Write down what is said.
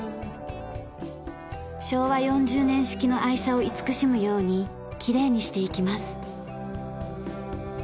昭和４０年式の愛車を慈しむようにきれいにしていきます。